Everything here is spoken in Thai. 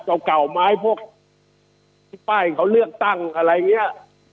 เอาเก่าไม้พวกป้ายเขาเลือกตั้งอะไรเงี้ย